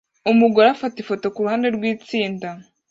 Umugore afata ifoto kuruhande rwitsinda